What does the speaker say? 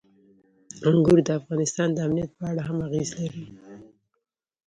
انګور د افغانستان د امنیت په اړه هم اغېز لري.